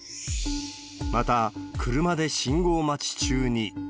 また、車で信号待ち中に。